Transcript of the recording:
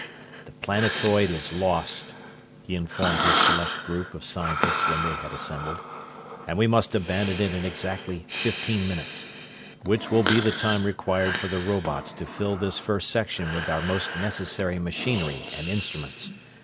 "The planetoid is lost," he informed his select group of scientists when they had assembled, "and we must abandon it in exactly fifteen minutes, which will be the time required for the robots to fill this first section with our most necessary machinery and instruments.